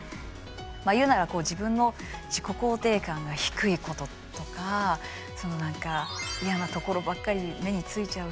言うなら自分の自己肯定感が低いこととか嫌なところばっかり目についちゃう